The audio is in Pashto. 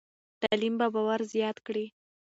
تعلیم به باور زیات کړي.